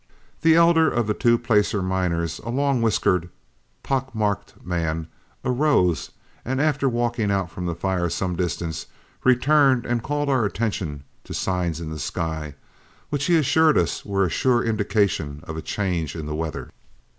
The elder of the two placer miners, a long whiskered, pock marked man, arose, and after walking out from the fire some distance returned and called our attention to signs in the sky, which he assured us were a sure indication of a change in the weather.